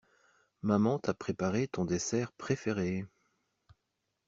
Maman t'a préparé ton dessert préféré.